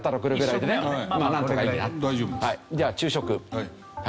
じゃあ昼食。